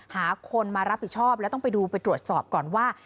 หาคนมารับผิดชอบแล้วต้องไปดูไปตรวจสอบก่อนว่า